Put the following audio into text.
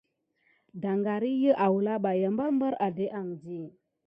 Daŋgar iki awula ɓa barbar adéke andi.